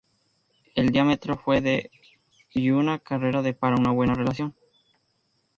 El diámetro fue de y una carrera de para una buena relación.